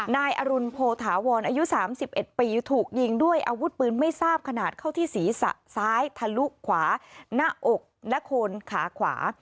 นายอรุณโพธาวรอายุ๓๑ปีถูกยิงด้วยอาวุธปืนไม่ทราบขนาดเข้าที่ศีรษะซ้ายทะลุขวาหน้าอกและโคนขาขวา